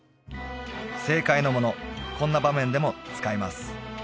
正解のものこんな場面でも使います